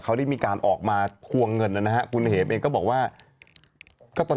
เขาได้มีการออกมาทวงเงินนะฮะคุณเห็มเองก็บอกว่าก็ตอน